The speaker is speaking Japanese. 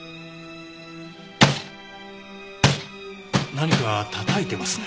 何か叩いてますね。